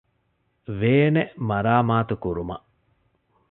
ވޭނެއް މަރާމާތުކުރުމަށް